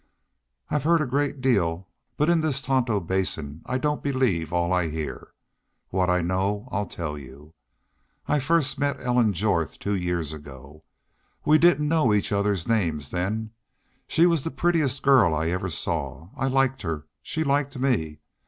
"I've heard a great deal, but in this Tonto Basin I don't believe all I hear. What I know I'll tell you. I first met Ellen Jorth two years ago. We didn't know each other's names then. She was the prettiest girl I ever saw. I liked her. She liked me.